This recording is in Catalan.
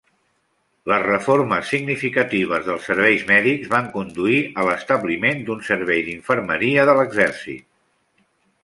Les reformes significatives dels serveis mèdics van conduir a l'establiment d'un servei d'infermeria de l'exèrcit.